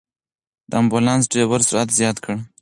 د امبولانس ډرېور سرعت زیات کړ.